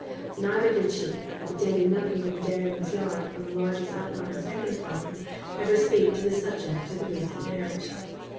Neither did she, at the daily milking in the dairyman's yard on Lodge's outlying second farm, ever speak on the subject of the recent marriage.